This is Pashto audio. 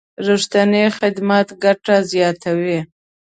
رښتینی خدمت ګټه زیاتوي.